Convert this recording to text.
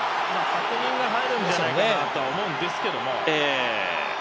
確認が入るんじゃないかと思うんですけども。